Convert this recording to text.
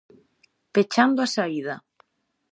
Pechando a saída.